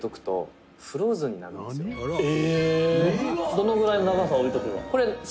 「どのぐらいの長さ置いておけば？」